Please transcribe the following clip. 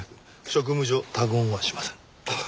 職務上他言はしません。